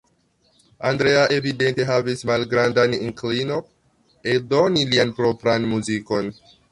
Andrea evidente havis malgrandan inklino eldoni lian propran muzikon.